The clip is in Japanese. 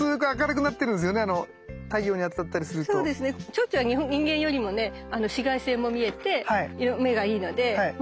チョウチョは人間よりもね紫外線も見えて目がいいのでもっと